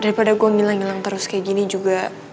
daripada gue bilang ngilang terus kayak gini juga